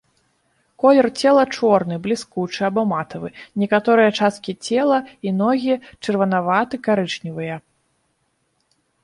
Колер цела чорны, бліскучы або матавы, некаторыя часткі цела і ногі чырванаваты-карычневыя.